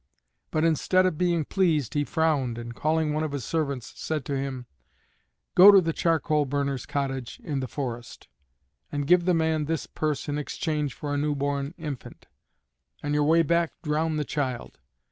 But instead of being pleased he frowned and calling one of his servants, said to him, "Go to the charcoal burner's cottage in the, forest, and give the man this purse in exchange for a new born infant. On your way back drown the child.